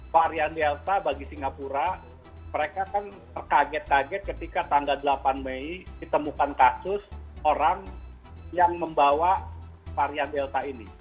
varian delta bagi singapura mereka kan terkaget kaget ketika tanggal delapan mei ditemukan kasus orang yang membawa varian delta ini